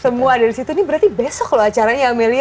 semua dari situ ini berarti besok loh acaranya amelia